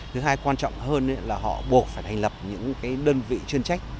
thứ hai quan trọng hơn là họ buộc phải thành lập những đơn vị chuyên trách